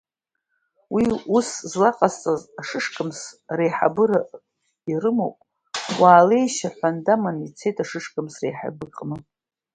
Уи ус злаҟасҵаз ашышкамс реиҳабыра ирымоуп, уаалеишь, — аҳәан, даманы ицеит ашышкамс реиҳабыраҟны.